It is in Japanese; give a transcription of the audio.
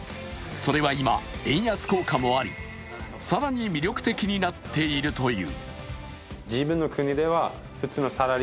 それは今、円安効果もあり更に魅力的になっているという。